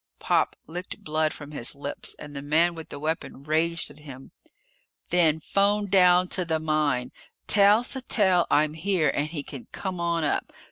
Pop licked blood from his lips and the man with the weapon raged at him. "Then phone down to the mine! Tell Sattell I'm here and he can come on up!